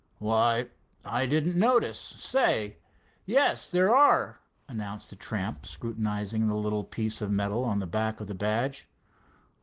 "Why, I didn't notice. Say, yes, there are," announced the tramp, scrutinizing the little piece of metal on the back of the badge.